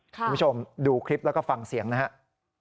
คุณผู้ชมดูคลิปแล้วก็ฟังเสียงนะครับ